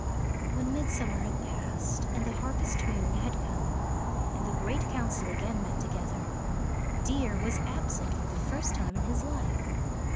When midsummer had passed and the harvest moon had come and the Great Council again met together, Deer was absent for the first time in his life.